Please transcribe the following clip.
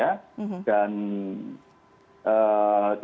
dan kita semurnakan kita buat improvisasi improvisi